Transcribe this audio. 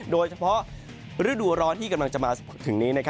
โดยเฉพาะฤดูร้อนที่กำลังจะมาถึงนี้